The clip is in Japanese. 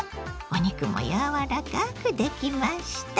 お肉もやわらかくできました。